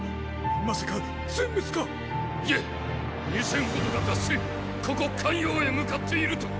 まさか全滅か⁉いえっ二千ほどが脱しここ咸陽へ向かっていると！